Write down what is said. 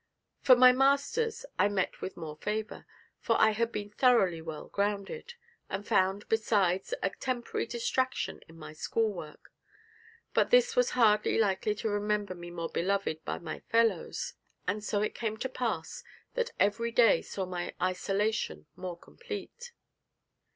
From my masters I met with more favour, for I had been thoroughly well grounded, and found, besides, a temporary distraction in my school work; but this was hardly likely to render me more beloved by my fellows, and so it came to pass that every day saw my isolation more complete.